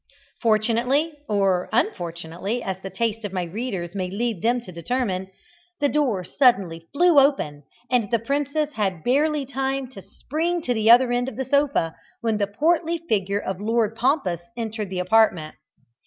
Fortunately or unfortunately, as the taste of my readers may lead them to determine the door suddenly flew open, and the princess had barely time to spring to the other end of the sofa when the portly figure of Lord Pompous entered the apartment.